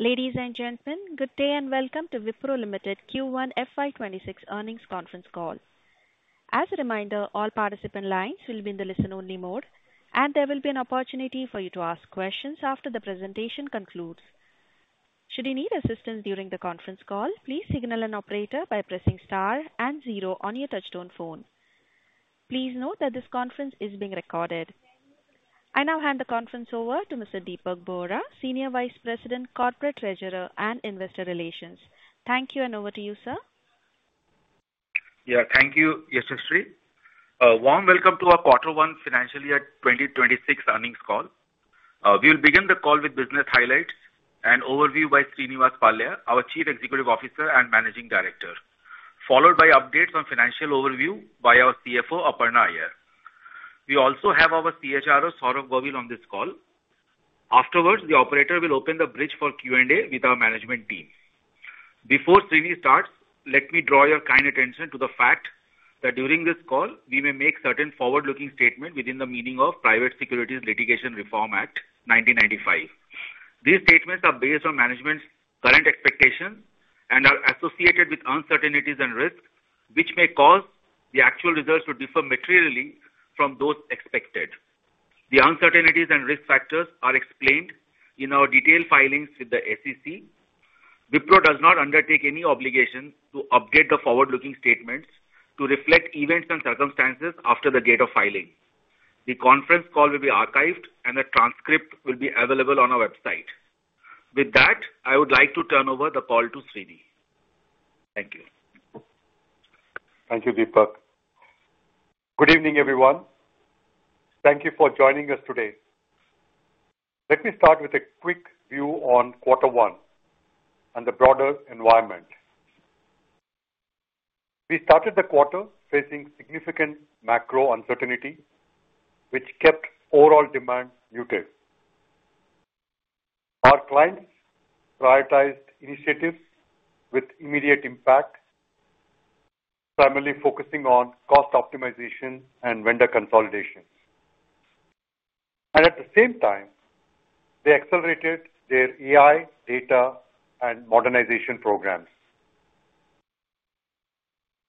Ladies and gentlemen, good day and welcome to Wipro Limited Q1 FY26 earnings conference call. As a reminder, all participant lines will be in the listen-only mode, and there will be an opportunity for you to ask questions after the presentation concludes. Should you need assistance during the conference call, please signal an operator by pressing star and zero on your touch-tone phone. Please note that this conference is being recorded. I now hand the conference over to Mr. Dipak Bohra, Senior Vice President, Corporate Treasurer and Investor Relations. Thank you, and over to you, sir. Yeah, thank you, Yashasri. Warm welcome to our Q1 Financial Year 2026 earnings call. We will begin the call with business highlights and overview by Srini Pallia, our Chief Executive Officer and Managing Director, followed by updates on financial overview by our CFO, Aparna Iyer. We also have our CHRO, Saurabh Govil, on this call. Afterwards, the operator will open the bridge for Q&A with our management team. Before Srini starts, let me draw your kind attention to the fact that during this call, we may make certain forward-looking statements within the meaning of Private Securities Litigation Reform Act, 1995. These statements are based on management's current expectations and are associated with uncertainties and risks, which may cause the actual results to differ materially from those expected. The uncertainties and risk factors are explained in our detailed filings with the SEC. Wipro does not undertake any obligation to update the forward-looking statements to reflect events and circumstances after the date of filing. The conference call will be archived, and the transcript will be available on our website. With that, I would like to turn over the call to Srini. Thank you. Thank you, Dipak. Good evening, everyone. Thank you for joining us today. Let me start with a quick view on Q1 and the broader environment. We started the quarter facing significant macro uncertainty, which kept overall demand muted. Our clients prioritized initiatives with immediate impact, primarily focusing on cost optimization and vendor consolidation. And at the same time, they accelerated their AI data and modernization programs.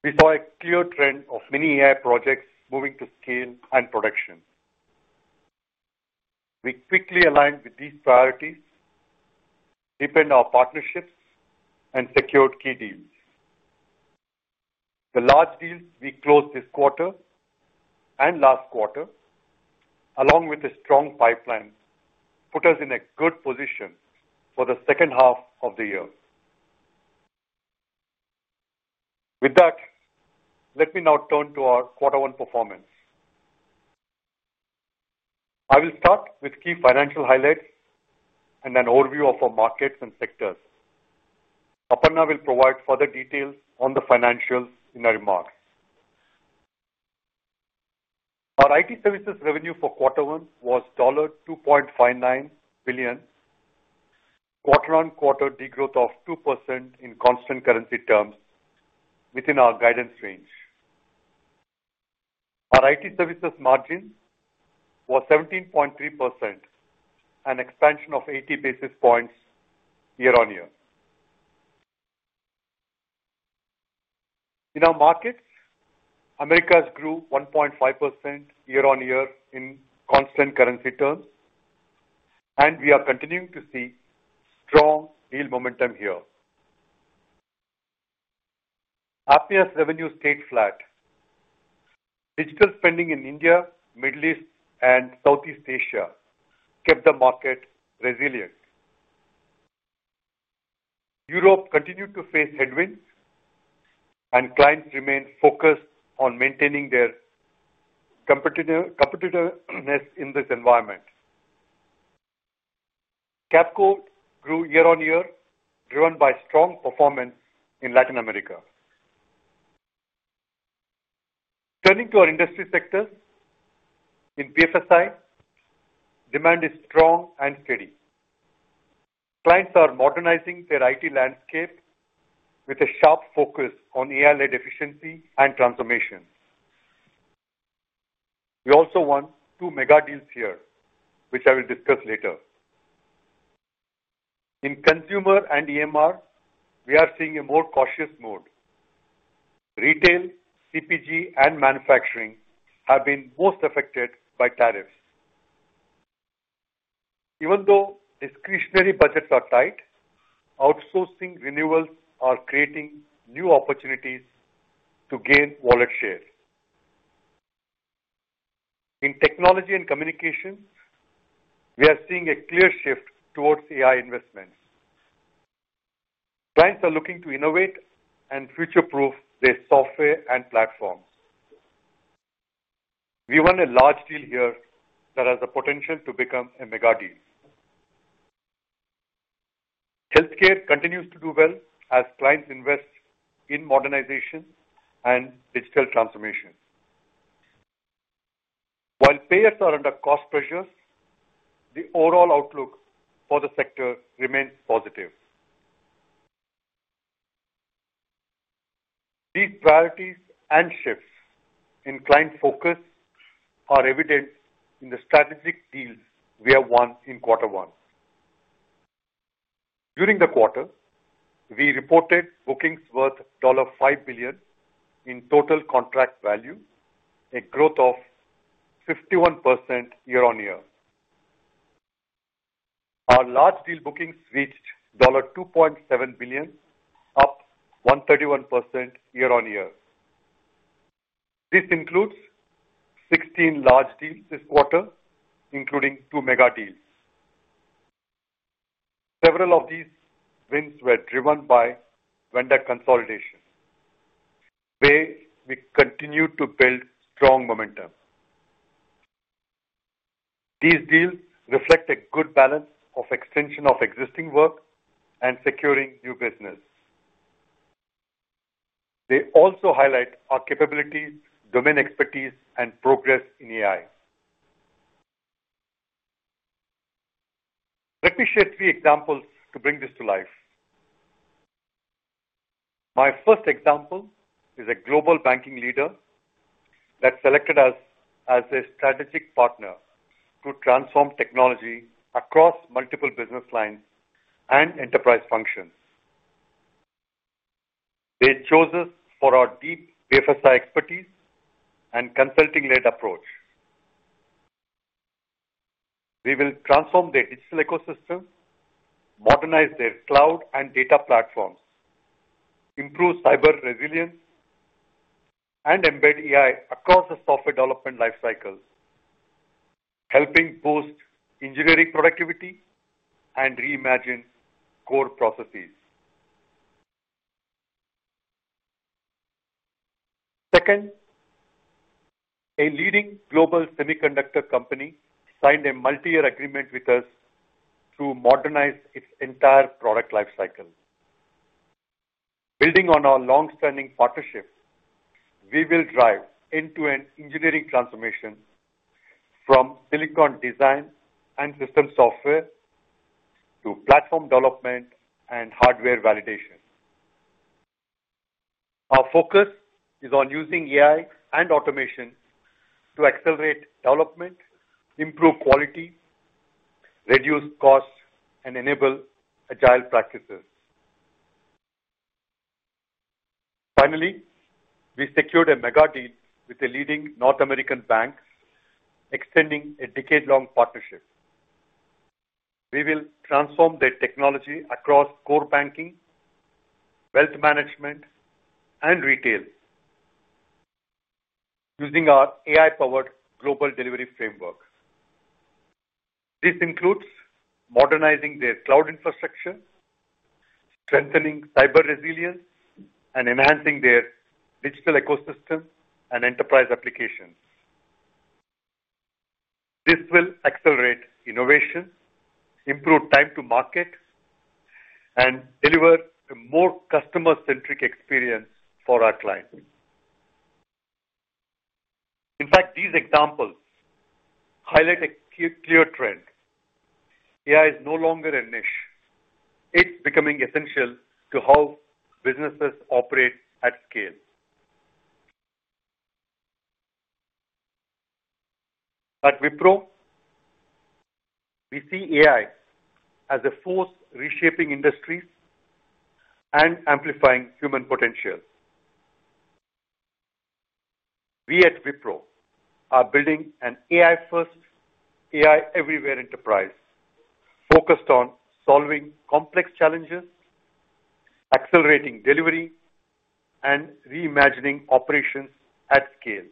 We saw a clear trend of many AI projects moving to scale and production. We quickly aligned with these priorities, deepened our partnerships, and secured key deals. The large deals we closed this quarter and last quarter, along with a strong pipeline, put us in a good position for the second half of the year. With that, let me now turn to our Q1 performance. I will start with key financial highlights and an overview of our markets and sectors. Aparna will provide further details on the financials in her remarks. Our IT services revenue for Q1 was $2.59 billion, quarter-on-quarter degrowth of 2% in constant currency terms within our guidance range. Our IT services margin was 17.3%, and expansion of 80 basis points year-on-year. In our markets, Americas grew 1.5% year-on-year in constant currency terms, and we are continuing to see strong deal momentum here. APAC's revenues stayed flat. Digital spending in India, the Middle East, and Southeast Asia kept the market resilient. Europe continued to face headwinds, and clients remained focused on maintaining their competitiveness in this environment. Capco grew year-on-year, driven by strong performance in Latin America. Turning to our industry sectors. In BFSI, demand is strong and steady. Clients are modernizing their IT landscape with a sharp focus on AI-led efficiency and transformation. We also won two mega deals here, which I will discuss later. In consumer and EMR, we are seeing a more cautious mode. Retail, CPG, and manufacturing have been most affected by tariffs. Even though discretionary budgets are tight, outsourcing renewals are creating new opportunities to gain wallet share. In technology and communications, we are seeing a clear shift towards AI investments. Clients are looking to innovate and future-proof their software and platforms. We won a large deal here that has the potential to become a mega deal. Healthcare continues to do well as clients invest in modernization and digital transformation. While payers are under cost pressures, the overall outlook for the sector remains positive. These priorities and shifts in client focus are evident in the strategic deals we have won in Q1. During the quarter, we reported bookings worth $5 billion in total contract value, a growth of 51% year-on-year. Our large deal bookings reached $2.7 billion, up 131% year-on-year. This includes 16 large deals this quarter, including two mega deals. Several of these wins were driven by vendor consolidation, where we continue to build strong momentum. These deals reflect a good balance of extension of existing work and securing new business. They also highlight our capabilities, domain expertise, and progress in AI. Let me share three examples to bring this to life. My first example is a global banking leader that selected us as a strategic partner to transform technology across multiple business lines and enterprise functions. They chose us for our deep BFSI expertise and consulting-led approach. We will transform their digital ecosystem, modernize their cloud and data platforms, improve cyber resilience, and embed AI across the software development life cycle, helping boost engineering productivity and reimagine core processes. Second, a leading global semiconductor company signed a multi-year agreement with us to modernize its entire product life cycle, building on our long-standing partnership. We will drive end-to-end engineering transformation from silicon design and system software to platform development and hardware validation. Our focus is on using AI and automation to accelerate development, improve quality, reduce costs, and enable agile practices. Finally, we secured a mega deal with a leading North American bank, extending a decade-long partnership. We will transform their technology across core banking, wealth management, and retail using our AI-powered global delivery framework. This includes modernizing their cloud infrastructure, strengthening cyber resilience, and enhancing their digital ecosystem and enterprise applications. This will accelerate innovation, improve time to market, and deliver a more customer-centric experience for our clients. In fact, these examples highlight a clear trend. AI is no longer a niche. It is becoming essential to how businesses operate at scale. At Wipro, we see AI as a force reshaping industries and amplifying human potential. We at Wipro are building an AI-first, AI-everywhere enterprise focused on solving complex challenges, accelerating delivery, and reimagining operations at scale.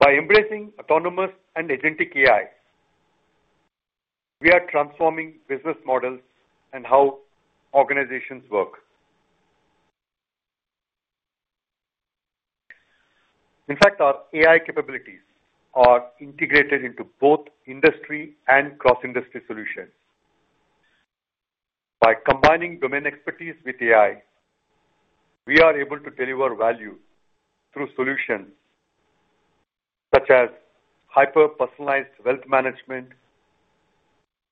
By embracing autonomous and agentic AI, we are transforming business models and how organizations work. In fact, our AI capabilities are integrated into both industry and cross-industry solutions. By combining domain expertise with AI, we are able to deliver value through solutions such as hyper-personalized wealth management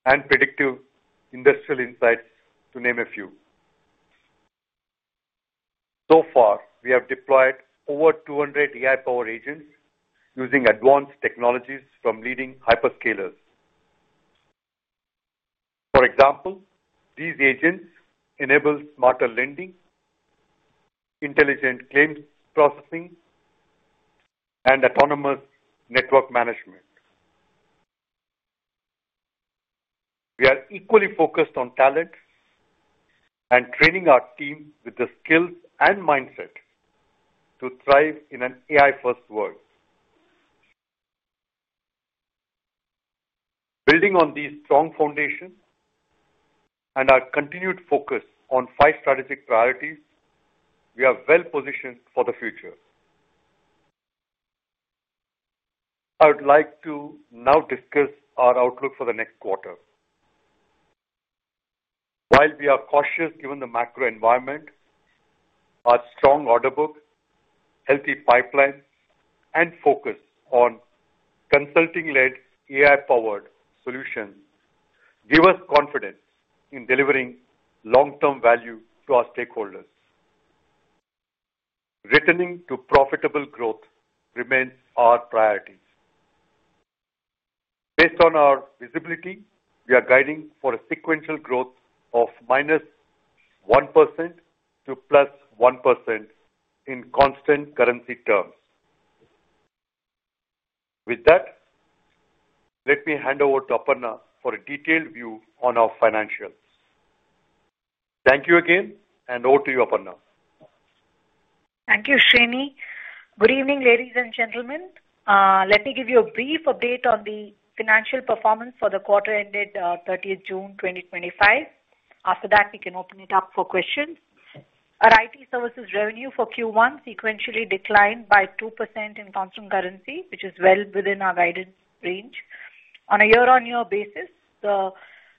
and predictive industrial insights, to name a few. So far, we have deployed over 200 AI-powered agents using advanced technologies from leading hyperscalers. For example, these agents enable smarter lending, intelligent claims processing, and autonomous network management. We are equally focused on talent and training our team with the skills and mindset to thrive in an AI-first world. Building on these strong foundations and our continued focus on five strategic priorities, we are well-positioned for the future. I would like to now discuss our outlook for the next quarter. While we are cautious given the macro environment, our strong order book, healthy pipelines, and focus on consulting-led AI-powered solutions give us confidence in delivering long-term value to our stakeholders. Returning to profitable growth remains our priority. Based on our visibility, we are guiding for a sequential growth of -1% to +1% in constant currency terms. With that, let me hand over to Aparna for a detailed view on our financials. Thank you again, and over to you, Aparna. Thank you, Srini. Good evening, ladies and gentlemen. Let me give you a brief update on the financial performance for the quarter ended 30th June 2025. After that, we can open it up for questions. Our IT services revenue for Q1 sequentially declined by 2% in constant currency, which is well within our guidance range. On a year-on-year basis, the revenue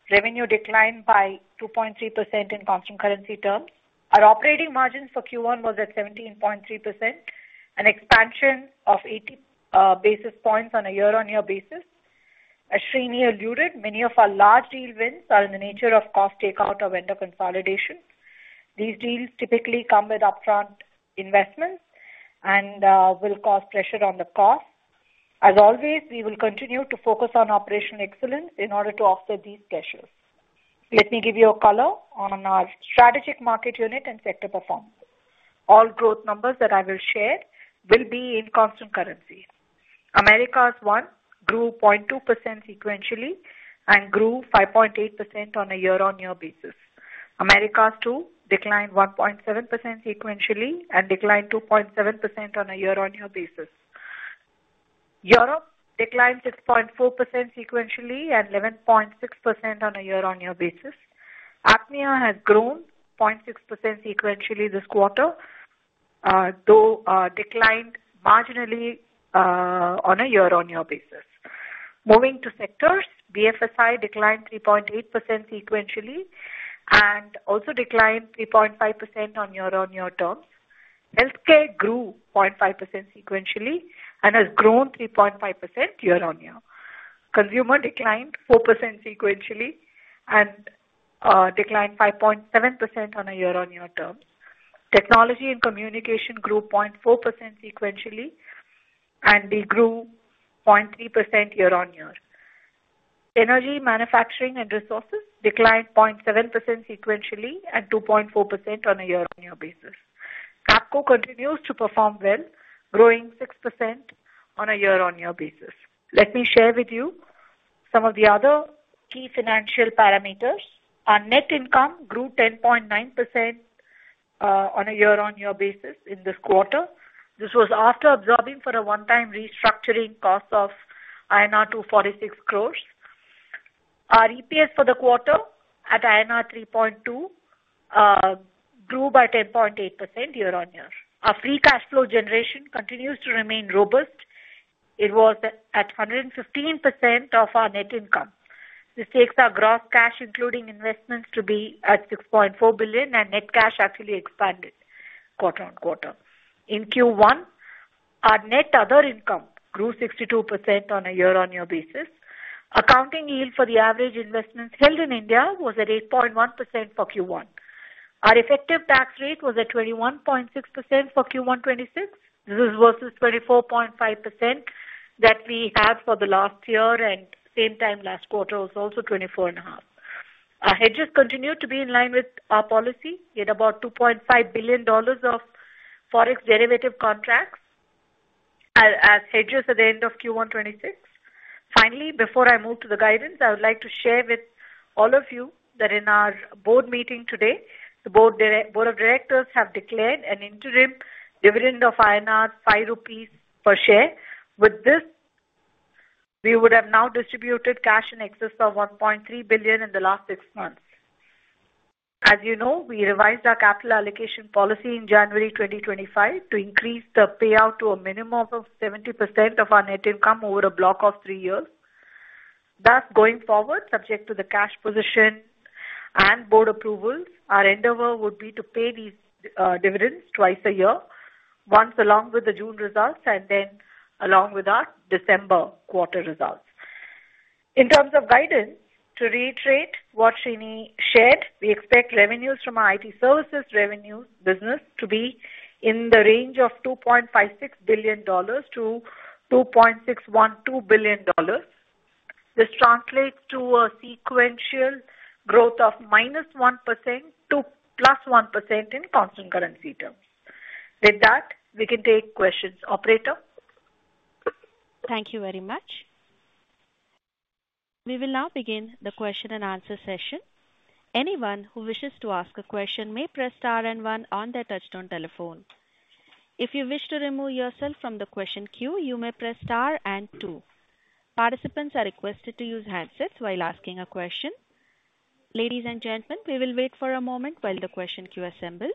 declined by 2.3% in constant currency terms. Our operating margins for Q1 was at 17.3%, an expansion of 80 basis points on a year-on-year basis. As Srini alluded, many of our large deal wins are in the nature of cost takeout or vendor consolidation. These deals typically come with upfront investments and will cause pressure on the cost. As always, we will continue to focus on operational excellence in order to offset these pressures. Let me give you a color on our strategic market unit and sector performance. All growth numbers that I will share will be in constant currency. Americas 1 grew 0.2% sequentially and grew 5.8% on a year-on-year basis. Americas 2 declined 1.7% sequentially and declined 2.7% on a year-on-year basis. Europe declined 6.4% sequentially and 11.6% on a year-on-year basis. APMEA has grown 0.6% sequentially this quarter, though declined marginally on a year-on-year basis. Moving to sectors, BFSI declined 3.8% sequentially and also declined 3.5% on year-on-year terms. Healthcare grew 0.5% sequentially and has grown 3.5% year-on-year. Consumer declined 4% sequentially and declined 5.7% on a year-on-year term. Technology and communication grew 0.4% sequentially, and they grew 0.3% year-on-year. Energy, manufacturing, and resources declined 0.7% sequentially and 2.4% on a year-on-year basis. Capco continues to perform well, growing 6% on a year-on-year basis. Let me share with you some of the other key financial parameters. Our net income grew 10.9% on a year-on-year basis in this quarter. This was after absorbing for a one-time restructuring cost of INR 246 crores. Our EPS for the quarter at INR 3.2 grew by 10.8% year-on-year. Our free cash flow generation continues to remain robust. It was at 115% of our net income. This takes our gross cash, including investments, to be at $6.4 billion, and net cash actually expanded quarter on quarter in Q1. Our net other income grew 62% on a year-on-year basis. Accounting yield for the average investments held in India was at 8.1% for Q1. Our effective tax rate was at 21.6% for Q1 26. This is versus 24.5% that we had for the last year, and same time last quarter was also 24.5%. Our hedges continue to be in line with our policy. We had about $2.5 billion of forex derivative contracts as hedges at the end of Q1 26. Finally, before I move to the guidance, I would like to share with all of you that in our board meeting today, the Board of Directors have declared an interim dividend of 5 rupees per share. With this, we would have now distributed cash in excess of $1.3 billion in the last six months. As you know, we revised our capital allocation policy in January 2025 to increase the payout to a minimum of 70% of our net income over a block of three years. Thus, going forward, subject to the cash position and board approvals, our endeavor would be to pay these dividends twice a year, once along with the June results and then along with our December quarter results. In terms of guidance, to reiterate what Srini shared, we expect revenues from our IT services revenue business to be in the range of $2.56 billion-$2.612 billion. This translates to a sequential growth of minus 1% to plus 1% in constant currency terms. With that, we can take questions, Operator. Thank you very much. We will now begin the question and answer session. Anyone who wishes to ask a question may press star and one on their touch-tone telephone. If you wish to remove yourself from the question queue, you may press star and two. Participants are requested to use handsets while asking a question. Ladies and gentlemen, we will wait for a moment while the question queue assembles.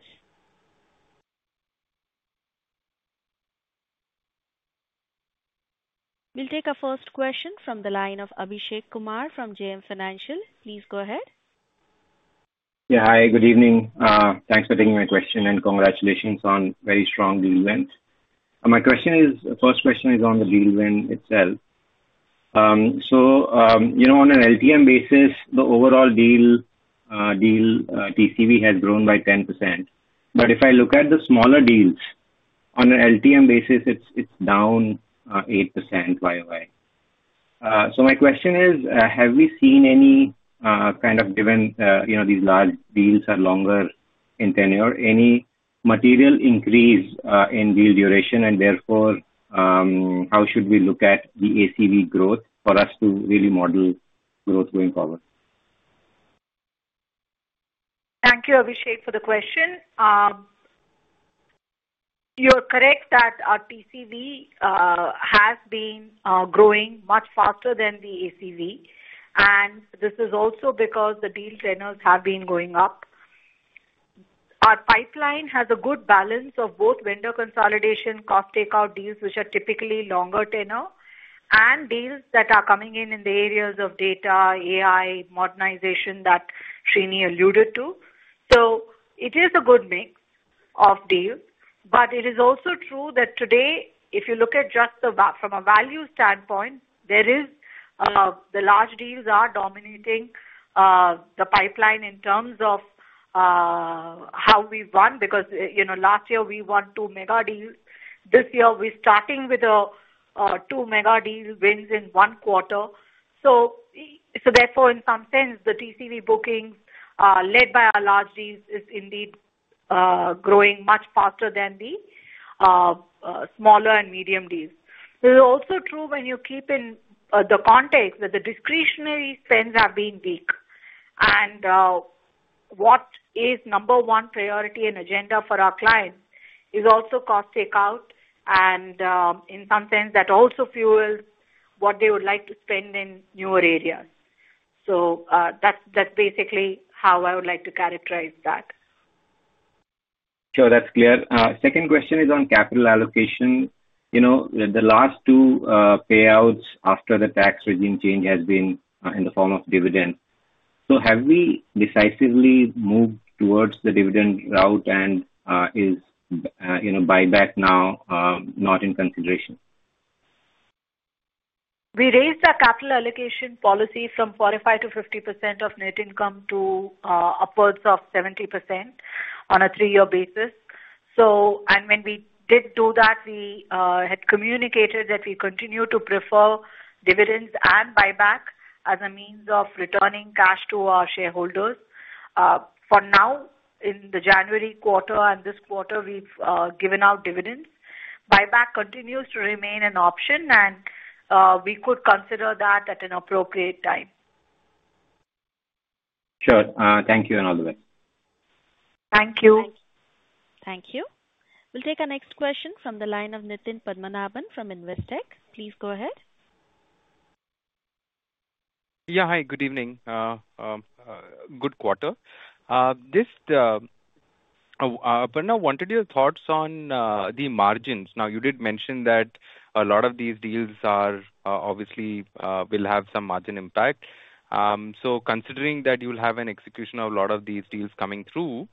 We'll take a first question from the line of Abhishek Kumar from JM Financial. Please go ahead. Yeah, hi, good evening. Thanks for taking my question and congratulations on a very strong deal win. My question is, the first question is on the deal win itself. So, you know, on an LTM basis, the overall deal TCV has grown by 10%. But if I look at the smaller deals, on an LTM basis, it's down 8% YoY. So my question is, have we seen any kind of given, you know, these large deals are longer in tenure, any material increase in deal duration, and therefore, how should we look at the ACV growth for us to really model growth going forward? Thank you, Abhishek, for the question. You're correct that our TCV has been growing much faster than the ACV, and this is also because the deal tenors have been going up. Our pipeline has a good balance of both vendor consolidation, cost takeout deals, which are typically longer tenor, and deals that are coming in the areas of data, AI, modernization that Srini alluded to. So it is a good mix of deals, but it is also true that today, if you look at just from a value standpoint, there is the large deals are dominating the pipeline in terms of how we've won, because, you know, last year we won two mega deals. This year we're starting with two mega deal wins in one quarter. So, therefore, in some sense, the TCV bookings led by our large deals is indeed growing much faster than the smaller and medium deals. This is also true when you keep in the context that the discretionary spends have been weak, and what is number one priority and agenda for our clients is also cost takeout, and in some sense, that also fuels what they would like to spend in newer areas. So that's basically how I would like to characterize that. Sure, that's clear. Second question is on capital allocation. You know, the last two payouts after the tax regime change has been in the form of dividends. So have we decisively moved towards the dividend route, and is, you know, buyback now not in consideration? We raised our capital allocation policy from 45%-50% of net income to upwards of 70% on a three-year basis. So, and when we did do that, we had communicated that we continue to prefer dividends and buyback as a means of returning cash to our shareholders. For now, in the January quarter and this quarter, we've given out dividends. Buyback continues to remain an option, and we could consider that at an appropriate time. Sure. Thank you, and all the best. Thank you. Thank you. We'll take our next question from the line of Nitin Padmanabhan from Investec. Please go ahead. Yeah, hi, good evening. Good quarter. Aparna, I wanted your thoughts on the margins. Now, you did mention that a lot of these deals are obviously will have some margin impact. So, considering that you'll have an execution of a lot of these deals coming through.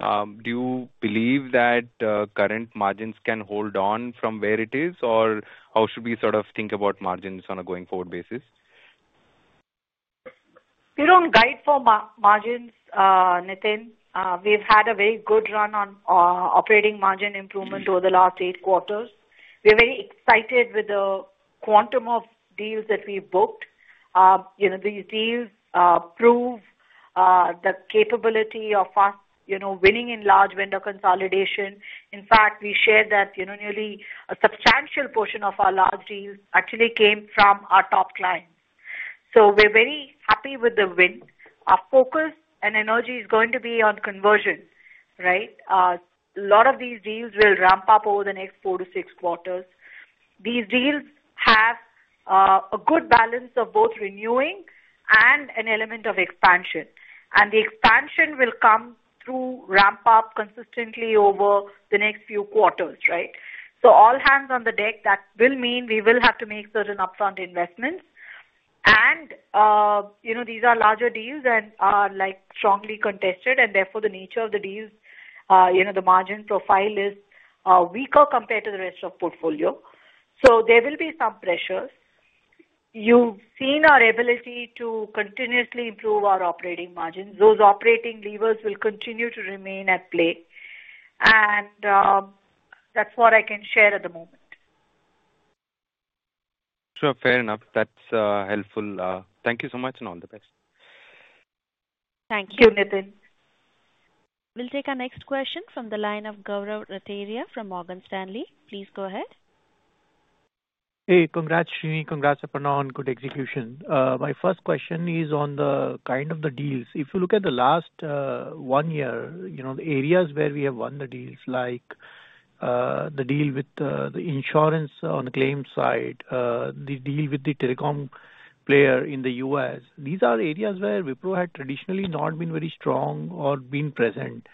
Do you believe that current margins can hold on from where it is, or how should we sort of think about margins on a going forward basis? We don't guide for margins, Nitin. We've had a very good run on operating margin improvement over the last eight quarters. We're very excited with the quantum of deals that we booked. You know, these deals prove the capability of us, you know, winning in large vendor consolidation. In fact, we shared that, you know, nearly a substantial portion of our large deals actually came from our top clients. So we're very happy with the win. Our focus and energy is going to be on conversion, right? A lot of these deals will ramp up over the next four to six quarters. These deals have a good balance of both renewing and an element of expansion. And the expansion will come through ramp up consistently over the next few quarters, right? So, all hands on the deck, that will mean we will have to make certain upfront investments. And you know, these are larger deals and are like strongly contested, and therefore the nature of the deals, you know, the margin profile is weaker compared to the rest of the portfolio. So, there will be some pressures. You've seen our ability to continuously improve our operating margins. Those operating levers will continue to remain at play. And that's what I can share at the moment. Sure, fair enough. That's helpful. Thank you so much and all the best. Thank you, Nitin. We'll take our next question from the line of Gaurav Rateria from Morgan Stanley. Please go ahead. Hey, congrats, Srini. Congrats, Aparna, on good execution. My first question is on the kind of deals. If you look at the last one year, you know, the areas where we have won the deals, like the deal with the insurance on the claims side, the deal with the telecom player in the U.S., these are areas where Wipro had traditionally not been very strong or been present.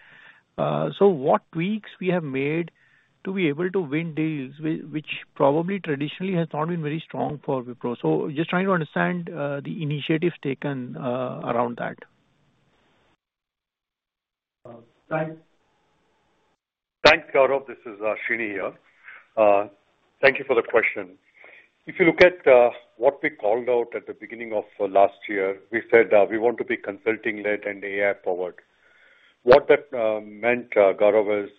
So, what tweaks we have made to be able to win deals, which probably traditionally has not been very strong for Wipro? So, just trying to understand the initiatives taken around that. Thanks. Thanks, Gaurav. This is Srini here. Thank you for the question. If you look at what we called out at the beginning of last year, we said we want to be consulting led and AI powered. What that meant, Gaurav, is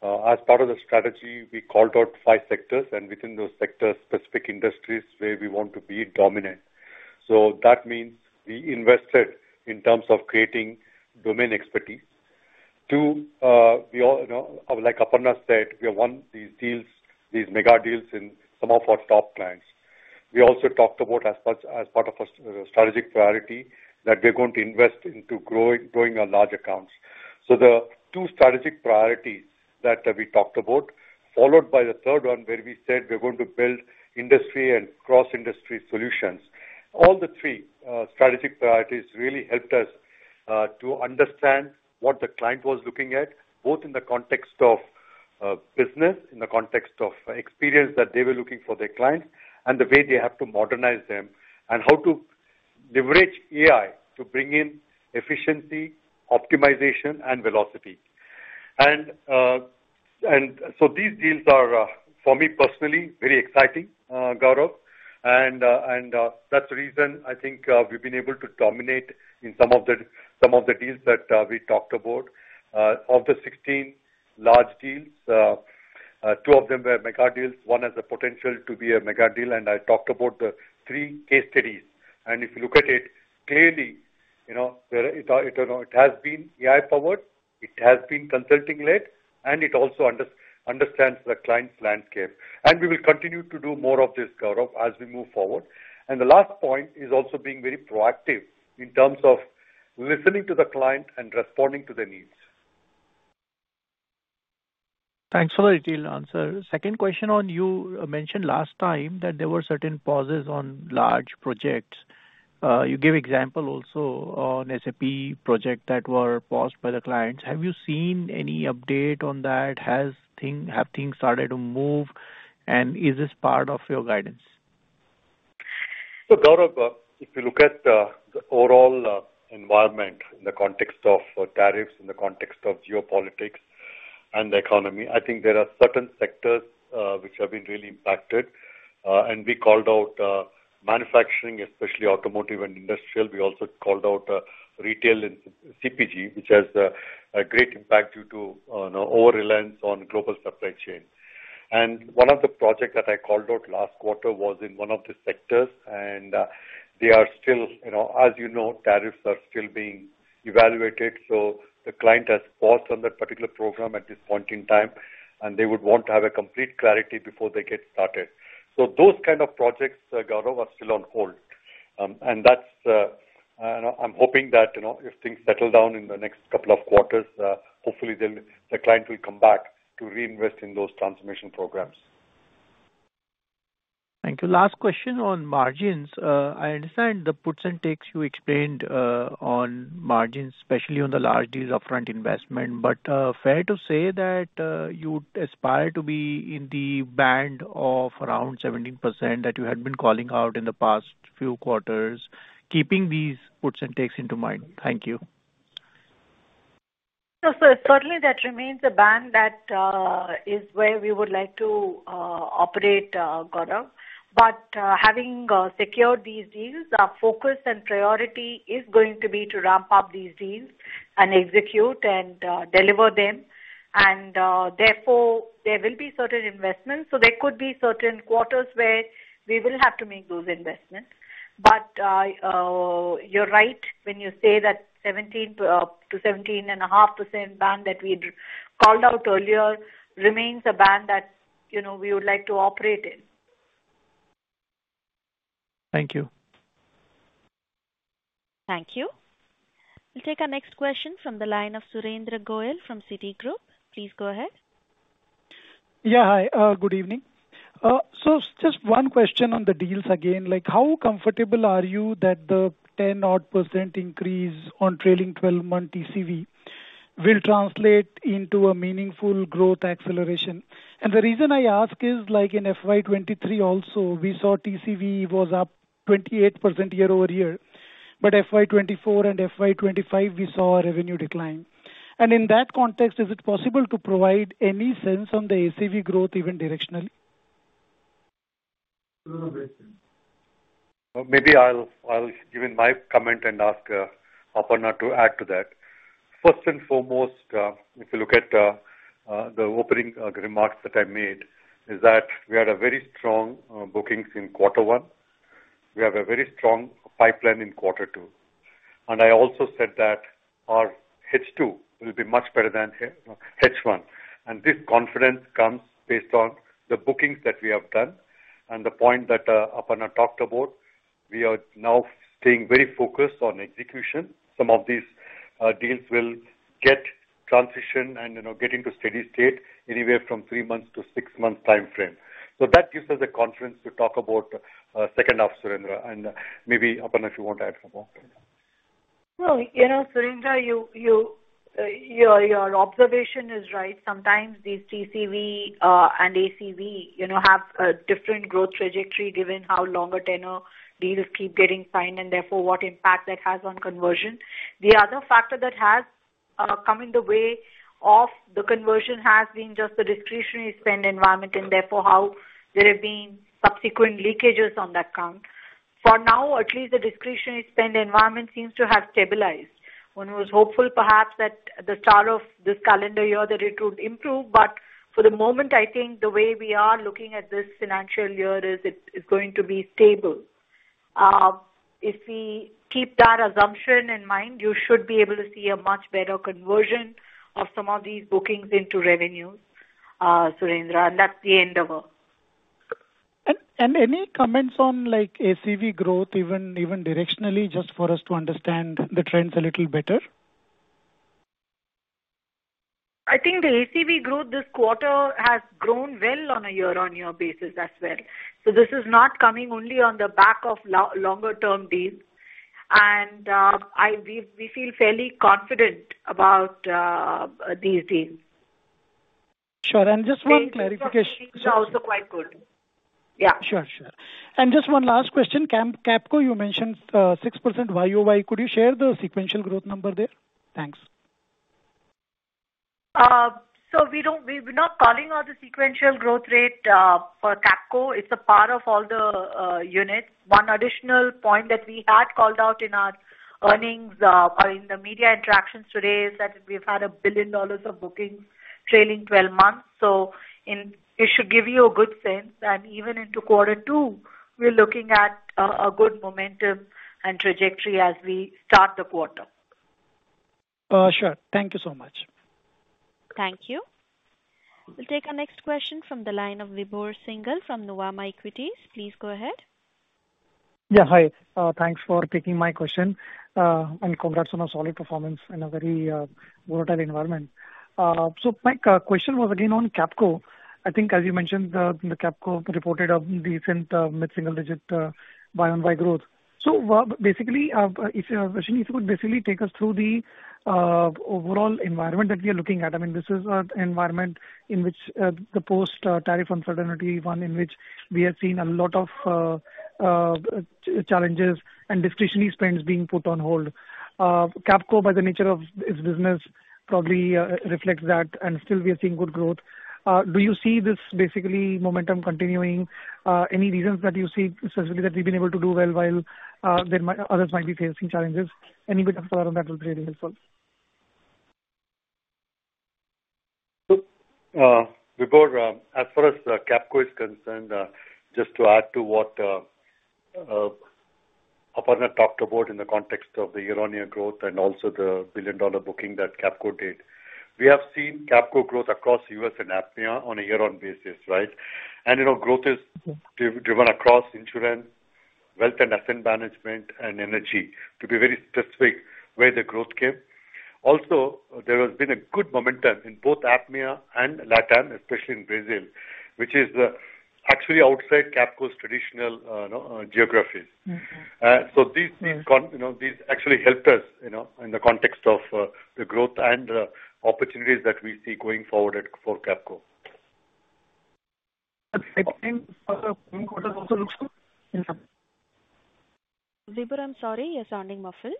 as part of the strategy, we called out five sectors, and within those sectors, specific industries where we want to be dominant. So, that means we invested in terms of creating domain expertise. To, you know, like Aparna said, we have won these deals, these mega deals in some of our top clients. We also talked about as part of a strategic priority that we're going to invest into growing our large accounts. So, the two strategic priorities that we talked about, followed by the third one where we said we're going to build industry and cross-industry solutions, all the three strategic priorities really helped us to understand what the client was looking at, both in the context of business, in the context of experience that they were looking for their clients, and the way they have to modernize them and how to leverage AI to bring in efficiency, optimization, and velocity, and so these deals are, for me personally, very exciting, Gaurav. And that's the reason I think we've been able to dominate in some of the deals that we talked about. Of the 16 large deals, two of them were mega deals, one has the potential to be a mega deal, and I talked about the three case studies. And if you look at it clearly, you know, it has been AI powered, it has been consulting led, and it also understands the client's landscape. We will continue to do more of this, Gaurav, as we move forward. The last point is also being very proactive in terms of listening to the client and responding to their needs. Thanks for the detailed answer. Second question. On, you mentioned last time that there were certain pauses on large projects. You gave example also on SAP projects that were paused by the clients. Have you seen any update on that? Have things started to move, and is this part of your guidance? So, Gaurav, if you look at the overall environment in the context of tariffs, in the context of geopolitics and the economy, I think there are certain sectors which have been really impacted. And we called out manufacturing, especially automotive and industrial. We also called out retail and CPG, which has a great impact due to overreliance on global supply chain. And one of the projects that I called out last quarter was in one of the sectors, and they are still, you know, as you know, tariffs are still being evaluated. So, the client has paused on that particular program at this point in time, and they would want to have a complete clarity before they get started. So, those kind of projects, Gaurav, are still on hold. And that's, you know, I'm hoping that, you know, if things settle down in the next couple of quarters, hopefully the client will come back to reinvest in those transformation programs. Thank you. Last question on margins. I understand the puts and takes you explained on margins, especially on the large deals upfront investment, but fair to say that you would aspire to be in the band of around 17% that you had been calling out in the past few quarters, keeping these puts and takes in mind? Thank you. So, certainly that remains a band that is where we would like to operate, Gaurav. But having secured these deals, our focus and priority is going to be to ramp up these deals and execute and deliver them. And therefore, there will be certain investments. So, there could be certain quarters where we will have to make those investments. But you're right when you say that 17%-17.5% band that we called out earlier remains a band that, you know, we would like to operate in. Thank you. Thank you. We'll take our next question from the line of Surendra Goyal from Citigroup. Please go ahead. Yeah, hi. Good evening. So, just one question on the deals again. Like, how comfortable are you that the 10-odd% increase on trailing 12-month TCV will translate into a meaningful growth acceleration? And the reason I ask is, like, in FY 23 also, we saw TCV was up 28% year over year, but FY 24 and FY 25, we saw a revenue decline. And in that context, is it possible to provide any sense on the ACV growth even directionally? Maybe I'll give my comment and ask Aparna to add to that. First and foremost, if you look at the opening remarks that I made, is that we had very strong bookings in quarter one. We have a very strong pipeline in quarter two. And I also said that. Our H2 will be much better than H1. And this confidence comes based on the bookings that we have done. And the point that Aparna talked about, we are now staying very focused on execution. Some of these deals will get transition and, you know, get into steady state anywhere from three months to six months timeframe. So, that gives us the confidence to talk about second half, Surendra. And maybe, Aparna, if you want to add something. Well, you know, Surendra, your observation is right. Sometimes these TCV and ACV, you know, have a different growth trajectory given how longer tenor deals keep getting signed and therefore what impact that has on conversion. The other factor that has come in the way of the conversion has been just the discretionary spend environment and therefore how there have been subsequent leakages on that count. For now, at least the discretionary spend environment seems to have stabilized. One was hopeful perhaps at the start of this calendar year that it would improve, but for the moment, I think the way we are looking at this financial year is it is going to be stable. If we keep that assumption in mind, you should be able to see a much better conversion of some of these bookings into revenues, Surendra. And that's the end of it. And any comments on, like, ACV growth, even directionally, just for us to understand the trends a little better? I think the ACV growth this quarter has grown well on a year-on-year basis as well. So, this is not coming only on the back of longer-term deals. We feel fairly confident about these deals. Sure. And just one clarification. Is also quite good. Yeah. Sure, sure. And just one last question. Capco, you mentioned 6% YoY. Could you share the sequential growth number there? Thanks. So, we're not calling out the sequential growth rate for Capco. It's a part of all the units. One additional point that we had called out in our earnings or in the media interactions today is that we've had $1 billion of bookings trailing 12 months. So, it should give you a good sense. And even into quarter two, we're looking at a good momentum and trajectory as we start the quarter. Sure. Thank you so much. Thank you. We'll take our next question from the line of Vibhor Singhal from Nuvama Equities. Please go ahead. Yeah, hi. Thanks for taking my question. And congrats on a solid performance in a very volatile environment. So, my question was again on Capco. I think, as you mentioned, Capco reported a decent mid-single-digit year-on-year growth. So, basically, if you could take us through the overall environment that we are looking at. I mean, this is an environment in which the post-tariff uncertainty, one in which we have seen a lot of challenges and discretionary spends being put on hold. Capco, by the nature of its business, probably reflects that, and still we are seeing good growth. Do you see this basically momentum continuing? Any reasons that you see specifically that we've been able to do well while others might be facing challenges? Any bit of color on that would be really helpful. Wipro, as far as Capco is concerned, just to add to what Aparna talked about in the context of the year-on-year growth and also the billion-dollar booking that Capco did, we have seen Capco growth across U.S. and APMEA on a year-on-year basis, right? And, you know, growth is driven across insurance, wealth and asset management, and energy. To be very specific, where the growth came. Also, there has been a good momentum in both APMEA and LATAM, especially in Brazil, which is actually outside Capco's traditional geographies. So, these, you know, these actually helped us, you know, in the context of the growth and opportunities that we see going forward for Capco. Vibhor, I'm sorry, you're sounding muffled.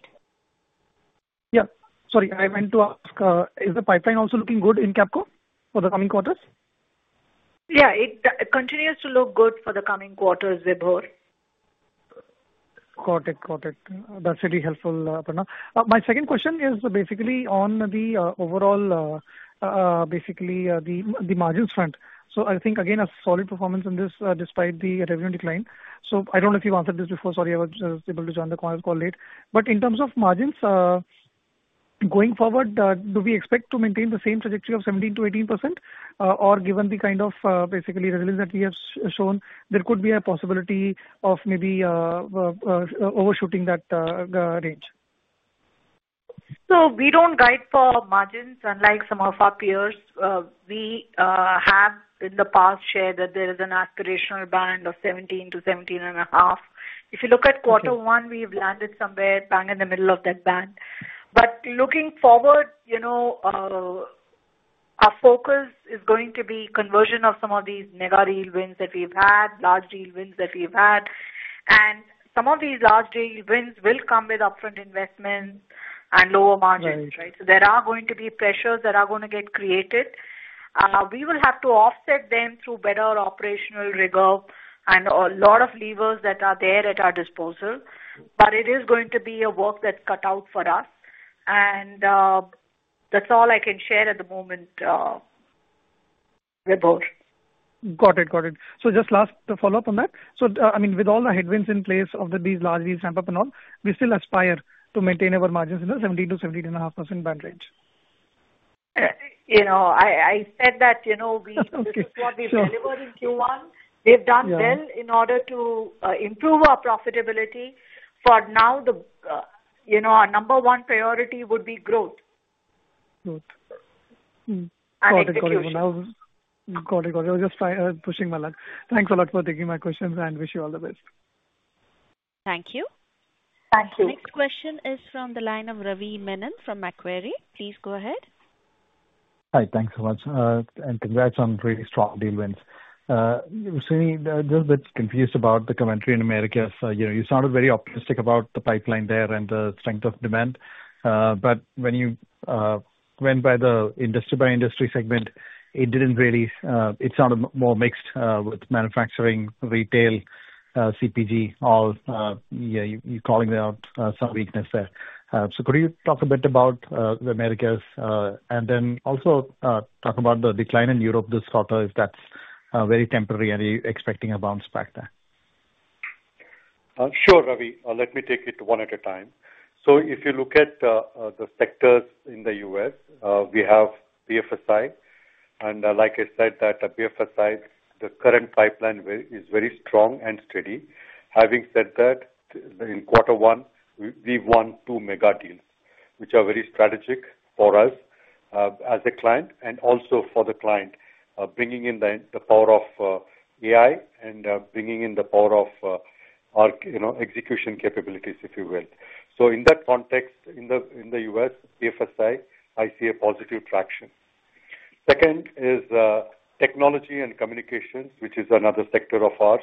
Yeah. Sorry, I meant to ask, is the pipeline also looking good in Capco for the coming quarters? Yeah, it continues to look good for the coming quarters, Vibhor. Got it, got it. That's really helpful, Aparna. My second question is basically on the overall. Basically the margins front. So, I think, again, a solid performance in this despite the revenue decline. So, I don't know if you've answered this before. Sorry, I was just able to join the call late. But in terms of margins. Going forward, do we expect to maintain the same trajectory of 17%-18%? Or given the kind of basically resilience that we have shown, there could be a possibility of maybe overshooting that range? So, we don't guide for margins, unlike some of our peers. We have, in the past, shared that there is an aspirational band of 17%-17.5%. If you look at quarter one, we've landed somewhere bang in the middle of that band. But looking forward, you know. Our focus is going to be conversion of some of these mega deal wins that we've had, large deal wins that we've had. And some of these large deal wins will come with upfront investments and lower margins, right? So, there are going to be pressures that are going to get created. We will have to offset them through better operational rigor and a lot of levers that are there at our disposal. But it is going to be a work that's cut out for us. That's all I can share at the moment, Vibhor. Got it, got it. So, just last follow-up on that. So, I mean, with all the headwinds in place of these large deals ramp up and all, we still aspire to maintain our margins in the 17%-17.5% band range. You know, I said that, you know, what we've delivered in Q1, we've done well in order to improve our profitability. For now, the, you know, our number one priority would be growth. Growth. And execution. Got it, got it. Got it. I was just pushing my luck. Thanks a lot for taking my questions and wish you all the best. Thank you. Thank you. Next question is from the line of Ravi Menon from Macquarie. Please go ahead. Hi, thanks so much and congrats on really strong deal wins. Surely, a little bit confused about the commentary in Americas, you know, you sounded very optimistic about the pipeline there and the strength of demand. But when you went by the industry-by-industry segment, it didn't really, it sounded more mixed with manufacturing, retail, CPG, all. You're calling out some weakness there. So, could you talk a bit about the Americas and then also talk about the decline in Europe this quarter, if that's very temporary and you're expecting a bounce back there? Sure, Ravi. Let me take it one at a time. So, if you look at the sectors in the U.S., we have BFSI. And like I said, that BFSI, the current pipeline is very strong and steady. Having said that, in quarter one, we won two mega deals, which are very strategic for us as a client and also for the client, bringing in the power of AI and bringing in the power of. Our, you know, execution capabilities, if you will. So, in that context, in the U.S., BFSI, I see a positive traction. Second is technology and communications, which is another sector of ours.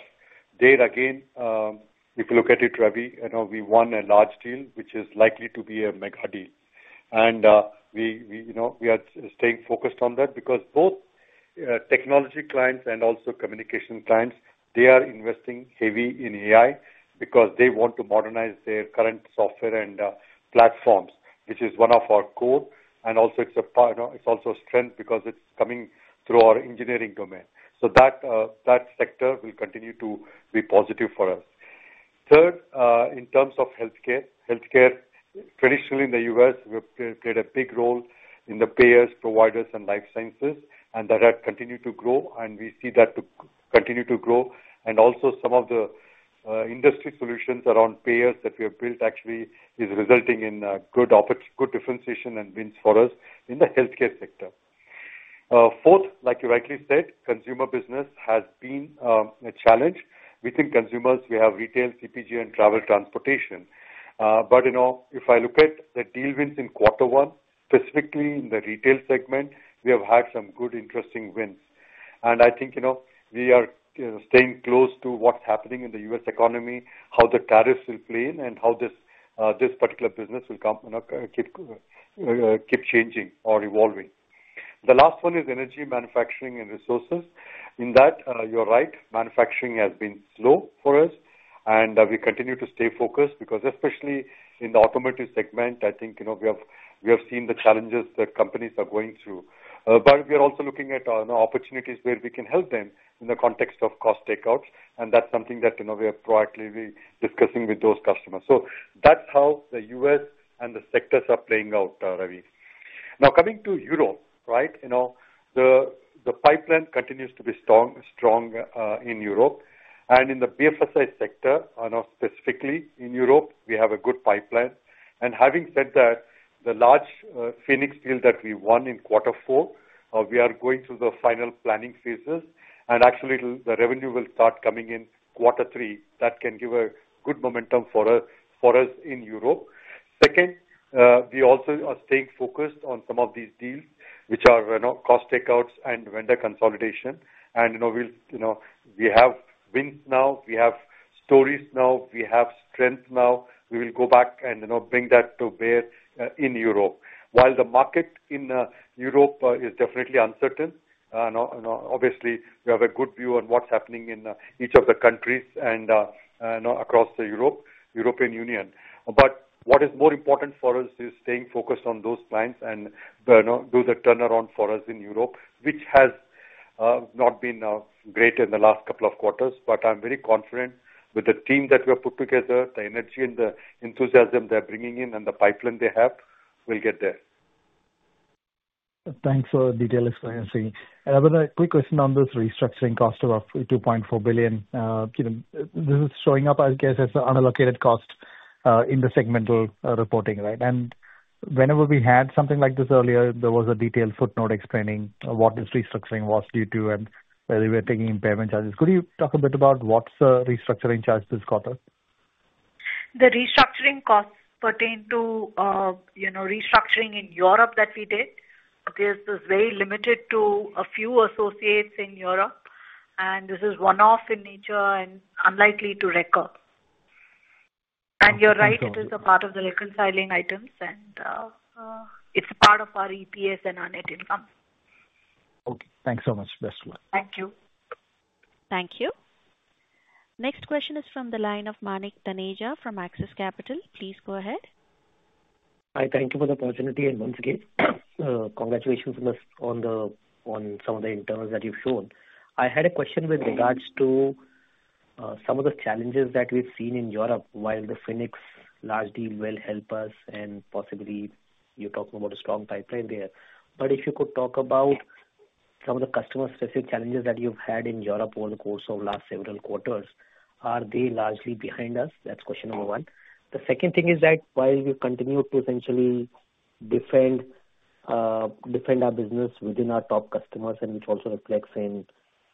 There, again, if you look at it, Ravi, you know, we won a large deal, which is likely to be a mega deal. And we, you know, we are staying focused on that because both. technology clients and also communication clients, they are investing heavy in AI because they want to modernize their current software and platforms, which is one of our core. And also, it's a part, you know, it's also a strength because it's coming through our engineering domain. So, that sector will continue to be positive for us. Third, in terms of healthcare, healthcare, traditionally in the U.S., we've played a big role in the payers, providers, and life sciences, and that had continued to grow. And we see that to continue to grow. And also, some of the. Industry solutions around payers that we have built actually is resulting in good differentiation and wins for us in the healthcare sector. Fourth, like you rightly said, consumer business has been a challenge. Within consumers, we have retail, CPG, and travel transportation. But, you know, if I look at the deal wins in quarter one, specifically in the retail segment, we have had some good, interesting wins. And I think, you know, we are staying close to what's happening in the U.S. economy, how the tariffs will play in, and how this particular business will come, you know, keep. Changing or evolving. The last one is energy, manufacturing, and resources. In that, you're right, manufacturing has been slow for us. And we continue to stay focused because especially in the automotive segment, I think, you know, we have seen the challenges that companies are going through. But we are also looking at opportunities where we can help them in the context of cost takeouts. And that's something that, you know, we are proactively discussing with those customers. So, that's how the U.S. and the sectors are playing out, Ravi. Now, coming to Europe, right, you know, the pipeline continues to be strong in Europe. And in the BFSI sector, you know, specifically in Europe, we have a good pipeline. And having said that, the large Phoenix deal that we won in quarter four, we are going through the final planning phases. And actually, the revenue will start coming in quarter three. That can give a good momentum for us in Europe. Second, we also are staying focused on some of these deals, which are, you know, cost takeouts and vendor consolidation. And, you know, we'll, you know, we have wins now. We have stories now. We have strength now. We will go back and, you know, bring that to bear in Europe. While the market in Europe is definitely uncertain, you know, obviously, we have a good view on what's happening in each of the countries and, you know, across the European Union. But what is more important for us is staying focused on those clients and, you know, do the turnaround for us in Europe, which has not been great in the last couple of quarters. But I'm very confident with the team that we have put together, the energy and the enthusiasm they're bringing in, and the pipeline they have, we'll get there. Thanks for the detailed explanation. And I have a quick question on this restructuring cost of $2.4 billion. You know, this is showing up, I guess, as an unallocated cost in the segmental reporting, right? And whenever we had something like this earlier, there was a detailed footnote explaining what this restructuring was due to and whether we were taking payment charges. Could you talk a bit about what's the restructuring charge this quarter? The restructuring costs pertain to, you know, restructuring in Europe that we did. This is very limited to a few associates in Europe. This is one-off in nature and unlikely to recur. You're right, it is a part of the reconciling items. It's a part of our EPS and our net income. Okay. Thanks so much. Best of luck. Thank you. Thank you. Next question is from the line of Manik Taneja from Axis Capital. Please go ahead. Hi, thank you for the opportunity. And once again, congratulations on some of the internals that you've shown. I had a question with regards to some of the challenges that we've seen in Europe while the Phoenix large deal will help us and possibly you're talking about a strong pipeline there. But if you could talk about some of the customer-specific challenges that you've had in Europe over the course of the last several quarters, are they largely behind us? That's question number one. The second thing is that while we continue to essentially defend our business within our top customers, and which also reflects in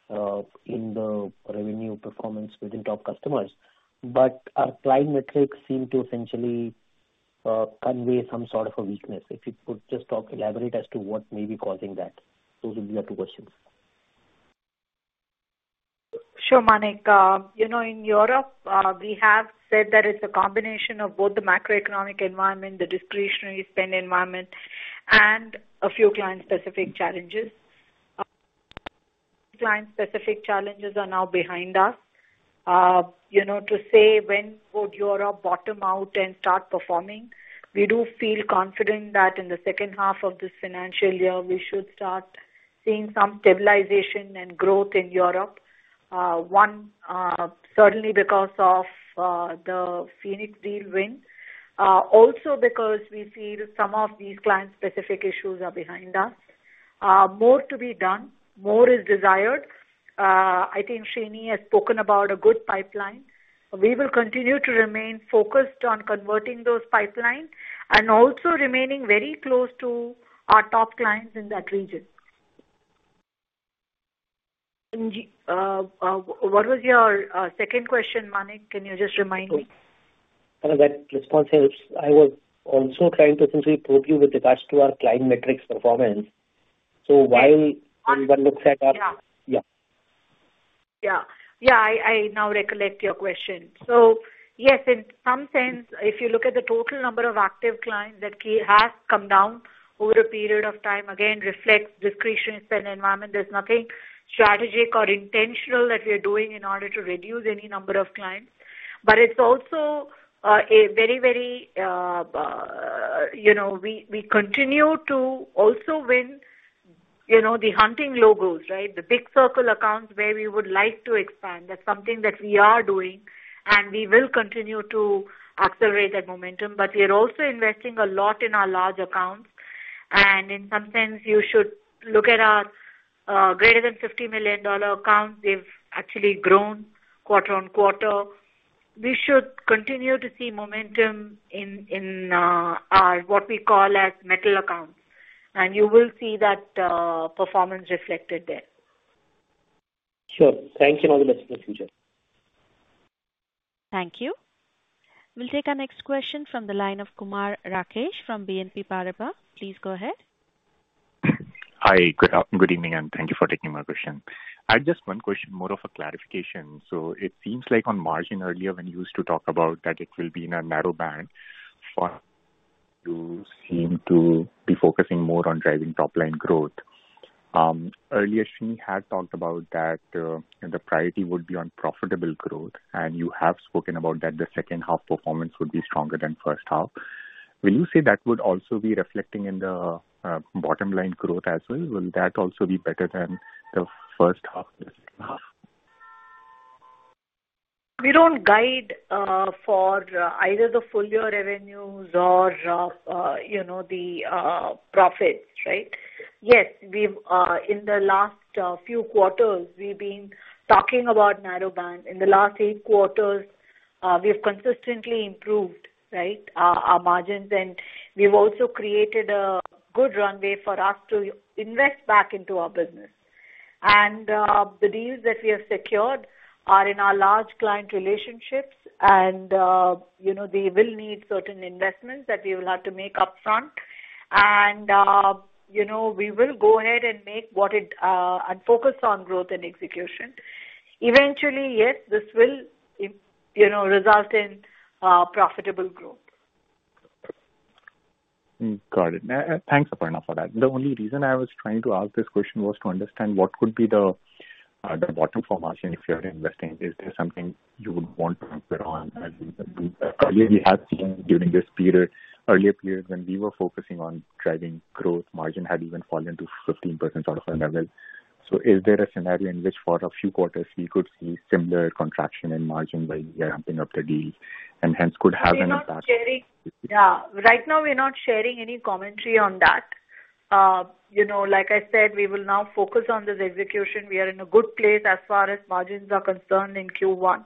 the revenue performance within top customers, but our client metrics seem to essentially convey some sort of a weakness. If you could just talk, elaborate as to what may be causing that. Those would be the two questions. Sure, Manik. You know, in Europe, we have said that it's a combination of both the macroeconomic environment, the discretionary spend environment, and a few client-specific challenges. Client-specific challenges are now behind us. You know, to say when would Europe bottom out and start performing, we do feel confident that in the second half of this financial year, we should start seeing some stabilization and growth in Europe. One, certainly because of the Phoenix deal win. Also, because we feel some of these client-specific issues are behind us. More to be done. More is desired. I think Srini has spoken about a good pipeline. We will continue to remain focused on converting those pipelines and also remaining very close to our top clients in that region. What was your second question, Manik? Can you just remind me? Kind of that response helps. I was also trying to essentially probe you with regards to our client metrics performance. So while one looks at our, yeah. Yeah. Yeah, I now recollect your question. So, yes, in some sense, if you look at the total number of active clients that has come down over a period of time, again, reflects discretionary spend environment. There's nothing strategic or intentional that we are doing in order to reduce any number of clients. But it's also a very, very— You know, we continue to also win, you know, the hunting logos, right? The big circle accounts where we would like to expand. That's something that we are doing. And we will continue to accelerate that momentum. But we are also investing a lot in our large accounts. And in some sense, you should look at our greater than $50 million accounts. They've actually grown quarter on quarter. We should continue to see momentum in our what we call as mega accounts. And you will see that performance reflected there. Sure. Thank you and all the best for the future. Thank you. We'll take our next question from the line of Kumar Rakesh from BNP Paribas. Please go ahead. Hi, good evening and thank you for taking my question. I have just one question, more of a clarification. So, it seems like on margin earlier when you used to talk about that it will be in a narrow band. You seem to be focusing more on driving top-line growth. Earlier, Srini had talked about that. The priority would be on profitable growth. And you have spoken about that the second half performance would be stronger than first half. Will you say that would also be reflecting in the bottom-line growth as well? Will that also be better than the first half, the second half? We don't guide for either the full year revenues or, you know, the profits, right? Yes, in the last few quarters, we've been talking about narrow band. In the last eight quarters, we have consistently improved, right, our margins, and we've also created a good runway for us to invest back into our business, and the deals that we have secured are in our large client relationships, and, you know, they will need certain investments that we will have to make upfront, and, you know, we will go ahead and make what it and focus on growth and execution. Eventually, yes, this will, you know, result in profitable growth. Got it. Thanks for enough for that. The only reason I was trying to ask this question was to understand what could be the bottom for margin if you're investing. Is there something you would want to put on? As we have seen during this period, earlier periods when we were focusing on driving growth, margin had even fallen to 15% out of our level. So, is there a scenario in which for a few quarters we could see similar contraction in margin while we are amping up the deal and hence could have an impact? We're not sharing, yeah. Right now, we're not sharing any commentary on that. You know, like I said, we will now focus on this execution. We are in a good place as far as margins are concerned in Q1.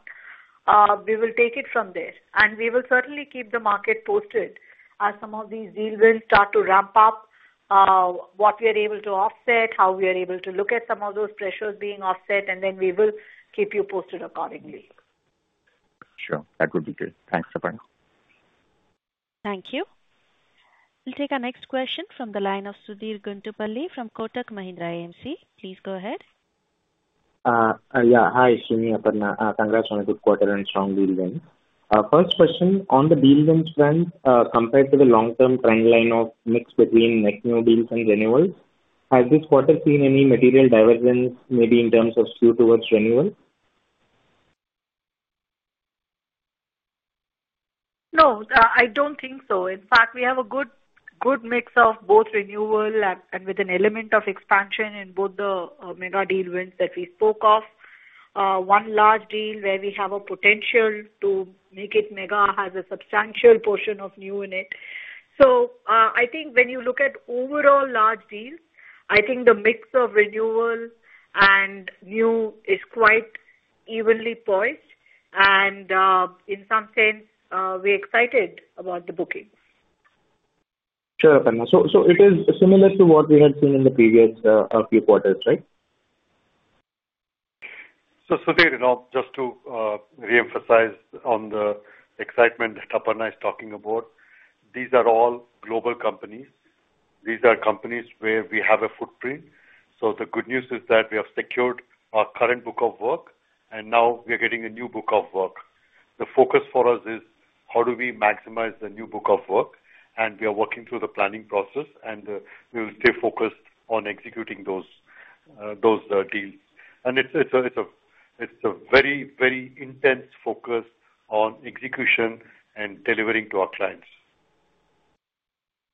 We will take it from there. And we will certainly keep the market posted as some of these deals will start to ramp up. What we are able to offset, how we are able to look at some of those pressures being offset. And then we will keep you posted accordingly. Sure. That would be good. Thanks for that. Thank you. We'll take our next question from the line of Sudheer Guntupalli from Kotak Mahindra AMC. Please go ahead. Yeah. Hi, Srini, Aparna. Congrats on a good quarter and strong deal win. First question, on the deal wins trend, compared to the long-term trend line of mix between net new deals and renewals, has this quarter seen any material divergence, maybe in terms of skew towards renewal? No, I don't think so. In fact, we have a good mix of both renewal and with an element of expansion in both the mega deal wins that we spoke of. One large deal where we have a potential to make it mega has a substantial portion of new in it. So, I think when you look at overall large deals, I think the mix of renewal and new is quite evenly poised. And in some sense, we're excited about the booking. Sure, Aparna. So, it is similar to what we had seen in the previous few quarters, right? So, Sudheer, you know, just to re-emphasize on the excitement Aparna is talking about, these are all global companies. These are companies where we have a footprint. So, the good news is that we have secured our current book of work. And now we are getting a new book of work. The focus for us is how do we maximize the new book of work. And we are working through the planning process. And we will stay focused on executing those deals. And it's a very, very intense focus on execution and delivering to our clients.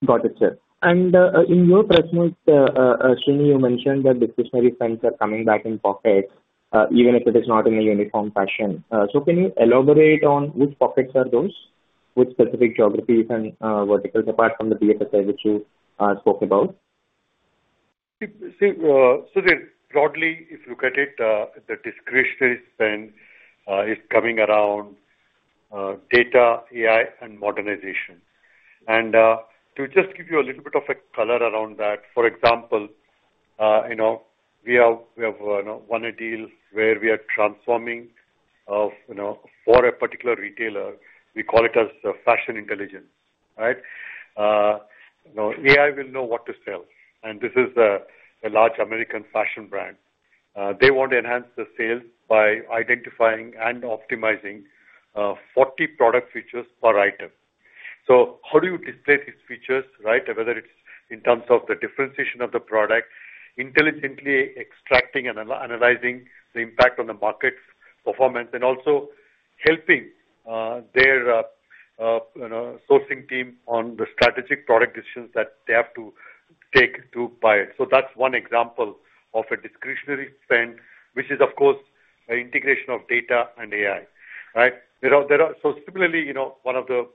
Got it, sir. And in your prospects, Srini, you mentioned that discretionary spend are coming back in pockets, even if it is not in a uniform fashion. So, can you elaborate on which pockets are those, which specific geographies and verticals apart from the BFSI, which you spoke about? So, Sudhir, broadly, if you look at it, the discretionary spend is coming around data, AI, and modernization. And to just give you a little bit of a color around that, for example. You know, we have won a deal where we are transforming for a particular retailer. We call it as fashion intelligence, right? AI will know what to sell. And this is a large American fashion brand. They want to enhance the sales by identifying and optimizing 40 product features per item. So, how do you display these features, right? Whether it's in terms of the differentiation of the product, intelligently extracting and analyzing the impact on the market performance, and also helping their sourcing team on the strategic product decisions that they have to take to buy it. So, that's one example of a discretionary spend, which is, of course, an integration of data and AI, right? So, similarly, you know, one of the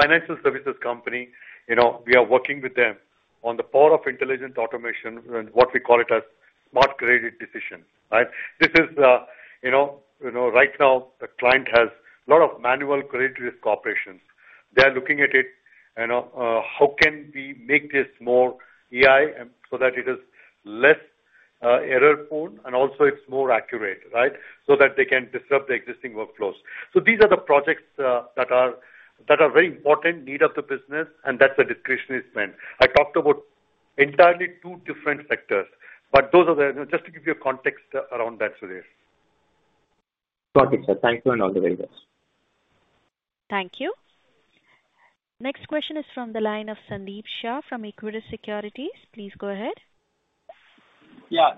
financial services companies, you know, we are working with them on the power of intelligent automation and what we call it as smart credit decision, right? This is, you know, right now, the client has a lot of manual credit risk operations. They are looking at it, you know, how can we make this more AI so that it is less error-prone and also it's more accurate, right? So that they can disrupt the existing workflows. So, these are the projects that are very important need of the business. And that's the discretionary spend I talked about entirely two different sectors. But those are the, you know, just to give you a context around that, Sudheer. Got it, sir. Thank you and all the very best. Thank you. Next question is from the line of Sandeep Shah from Equirus Securities. Please go ahead. Yeah.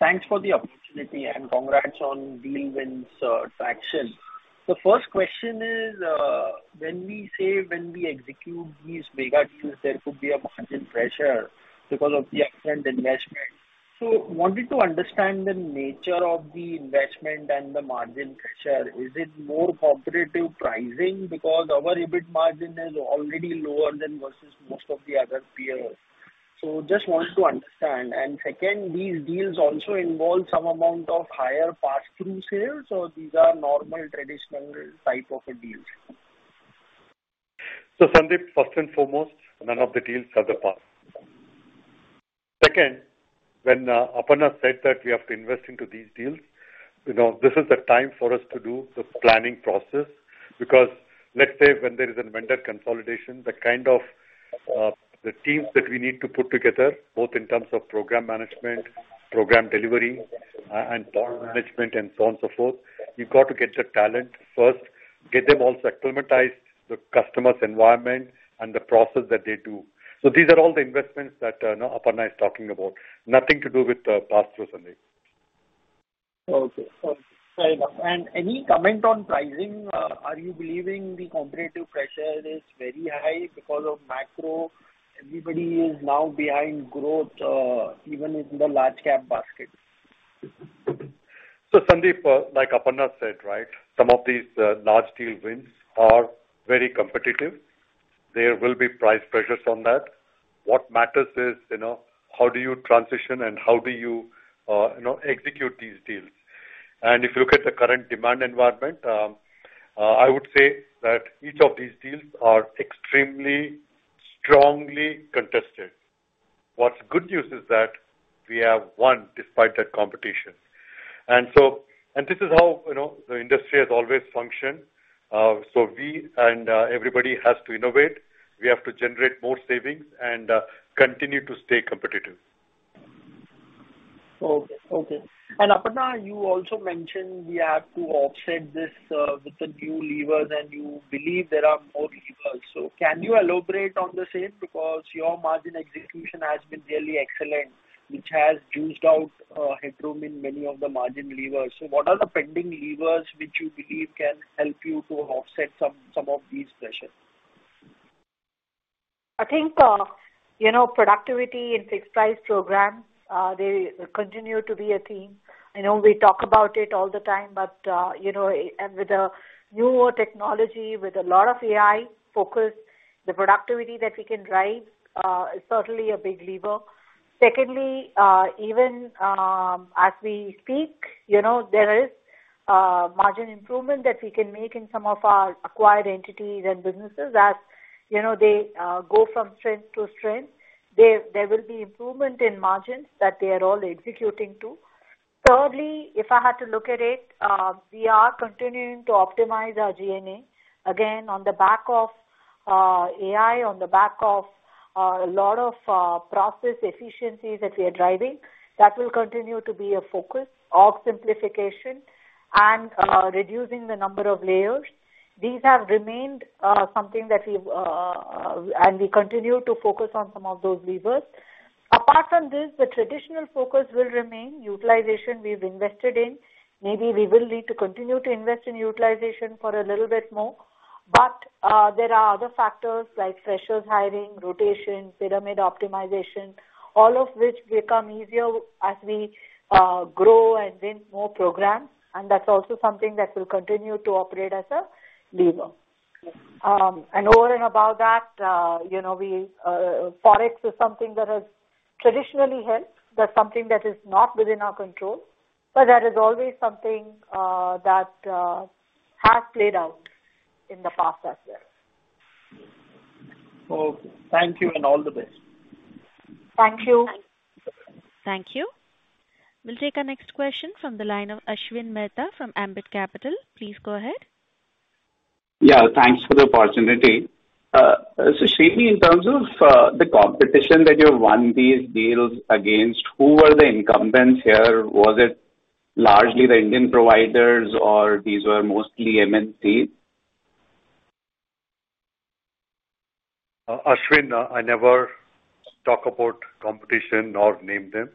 Thanks for the opportunity and congrats on deal wins traction. The first question is. When we say when we execute these mega deals, there could be a margin pressure because of the extent investment. So, wanting to understand the nature of the investment and the margin pressure, is it more competitive pricing because our EBIT margin is already lower than versus most of the other peers? So, just wanted to understand. And second, these deals also involve some amount of higher pass-through sales, or these are normal traditional type of deals? So, Sandeep, first and foremost, none of the deals have the pass-through. Second, when Aparna said that we have to invest into these deals, you know, this is the time for us to do the planning process. Because let's say when there is a vendor consolidation, the kind of. The teams that we need to put together, both in terms of program management, program delivery, and project management, and so on and so forth, you've got to get the talent first, get them all sector-matized, the customer's environment, and the process that they do. So, these are all the investments that Aparna is talking about. Nothing to do with pass-through, Sandeep. Okay. Okay. Fair enough. And any comment on pricing? Are you believing the competitive pressure is very high because of macro? Everybody is now behind growth, even in the large-cap basket. So, Sandeep, like Aparna said, right, some of these large deal wins are very competitive. There will be price pressures on that. What matters is, you know, how do you transition and how do you, you know, execute these deals, and if you look at the current demand environment, I would say that each of these deals are extremely strongly contested. What's good news is that we have won despite that competition, and so, and this is how, you know, the industry has always functioned, so we and everybody has to innovate. We have to generate more savings and continue to stay competitive. Okay. Okay. And Aparna, you also mentioned we have to offset this with the new levers, and you believe there are more levers. So, can you elaborate on the same? Because your margin execution has been really excellent, which has juiced out headroom in many of the margin levers. So, what are the pending levers which you believe can help you to offset some of these pressures? I think, you know, productivity in fixed-price programs, they continue to be a theme. You know, we talk about it all the time, but, you know, with the newer technology, with a lot of AI focus, the productivity that we can drive is certainly a big lever. Secondly, even as we speak, you know, there is margin improvement that we can make in some of our acquired entities and businesses as, you know, they go from strength to strength. There will be improvement in margins that they are all executing to. Thirdly, if I had to look at it, we are continuing to optimize our G&A. Again, on the back of AI, on the back of a lot of process efficiencies that we are driving, that will continue to be a focus. Org simplification and reducing the number of layers. These have remained something that we and we continue to focus on some of those levers. Apart from this, the traditional focus will remain. Utilization, we've invested in. Maybe we will need to continue to invest in utilization for a little bit more. But there are other factors like freshers hiring, rotation, pyramid optimization, all of which become easier as we grow and win more programs. And that's also something that will continue to operate as a lever. And over and above that, you know, forex is something that has traditionally helped. That's something that is not within our control. But that is always something that has played out in the past as well. Okay. Thank you and all the best. Thank you. Thank you. We'll take our next question from the line of Ashwin Mehta from Ambit Capital. Please go ahead. Yeah. Thanks for the opportunity. So, Srini, in terms of the competition that you have won these deals against, who were the incumbents here? Was it largely the Indian providers, or these were mostly MNCs? Ashwin, I never talk about competition or name them.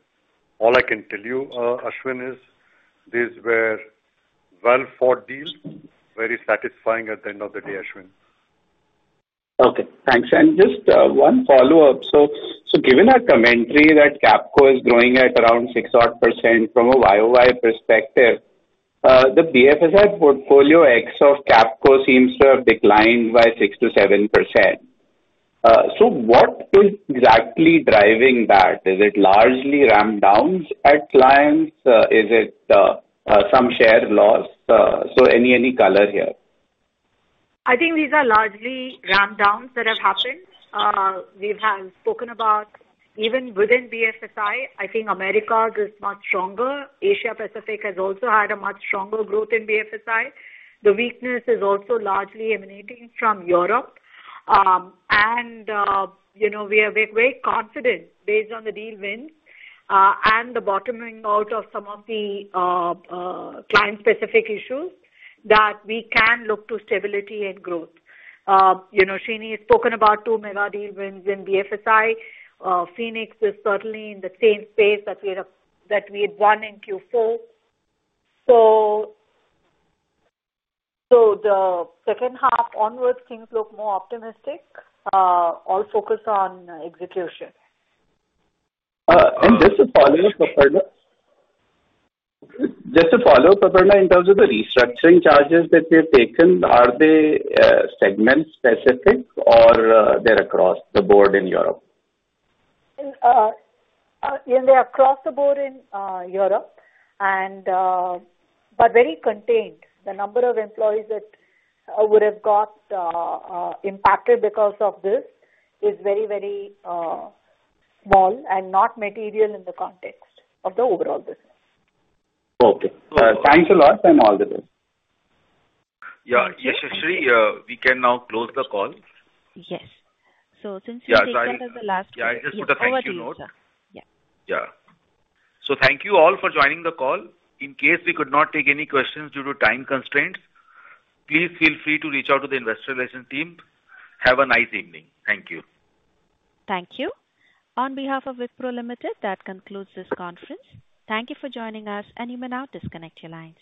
All I can tell you, Ashwin, is these were well-thought deals, very satisfying at the end of the day, Ashwin. Okay. Thanks. And just one follow-up. So, given our commentary that Capco is growing at around 6% or 8% from a YoY perspective. The BFSI portfolio ex of Capco seems to have declined by 6%-7%. So, what is exactly driving that? Is it largely ramp-downs at clients? Is it some share loss? So, any color here? I think these are largely ramp-downs that have happened. We have spoken about, even within BFSI, I think America is much stronger. Asia-Pacific has also had a much stronger growth in BFSI. The weakness is also largely emanating from Europe, and you know, we are very confident, based on the deal wins and the bottoming out of some of the client-specific issues, that we can look to stability and growth. You know, Srini has spoken about two mega deal wins in BFSI. Phoenix is certainly in the same space that we had won in Q4, so the second half onwards, things look more optimistic. All focus on execution. Just to follow up, Aparna, in terms of the restructuring charges that they've taken, are they segment-specific or they're across the board in Europe? They're across the board in Europe. But very contained. The number of employees that would have got impacted because of this is very, very small and not material in the context of the overall business. Okay. Thanks a lot and all the best. Yeah. Yes, Srini, we can now close the call. Yes. So, since you said that as the last question, we have a few more questions. Yeah. I just put a thank you note. Yeah. Yeah. So, thank you all for joining the call. In case we could not take any questions due to time constraints, please feel free to reach out to the investor relations team. Have a nice evening. Thank you. Thank you. On behalf of Wipro Limited, that concludes this conference. Thank you for joining us. You may now disconnect your lines.